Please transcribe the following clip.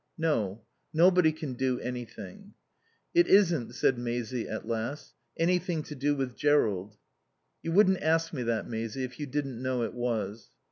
"No. Nobody can do anything." "It isn't," said Maisie at last, "anything to do with Jerrold?" "You wouldn't ask me that, Maisie, if you didn't know it was."